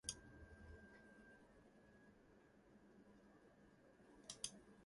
Third and final release by Canadian thrash metal pioneers Eudoxis.